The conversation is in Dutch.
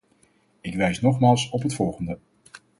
Ik wijs nogmaals op het volgende.